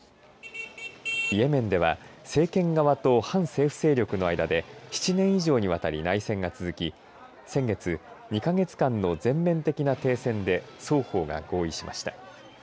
イエメンでは政権側と反政府勢力の間で７年以上にわたり内戦が続き先月、２か月間の全面的な停戦で双方が合意しました。